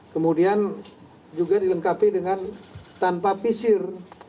kemudian juga dilengkapi dengan tanpa pisir